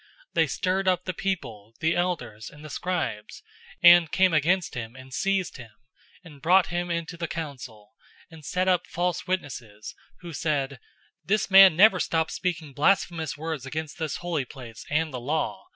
006:012 They stirred up the people, the elders, and the scribes, and came against him and seized him, and brought him in to the council, 006:013 and set up false witnesses who said, "This man never stops speaking blasphemous words against this holy place and the law.